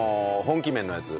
本気麺のやつ？